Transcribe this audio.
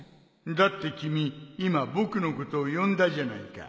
だって君今僕のことを呼んだじゃないか